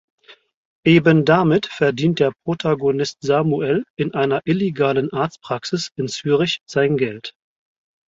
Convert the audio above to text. Eben damit verdient der Protagonist Samuel in einer illegalen Arztpraxis in Zürich sein Geld.